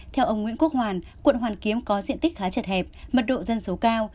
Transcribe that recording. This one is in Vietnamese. theo ông nguyễn quốc hoàn quận hoàn kiếm có diện tích khá chật hẹp mật độ dân số cao